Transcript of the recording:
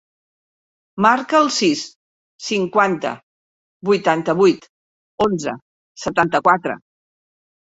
Marca el sis, cinquanta, vuitanta-vuit, onze, setanta-quatre.